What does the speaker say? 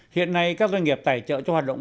hiện nay các doanh nghiệp tài trợ cho hoạt động